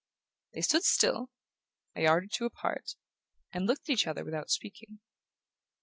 They stood still, a yard or two apart, and looked at each other without speaking.